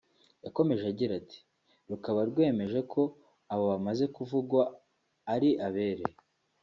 ” Yakomeje agira ati “rukaba rwemeje ko abo bamaze kuvugwa ari abere